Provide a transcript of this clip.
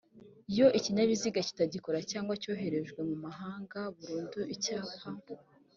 iyo ikinyabiziga kitagikora cyangwa cyoherejwe mu mahanga burundu ibyapa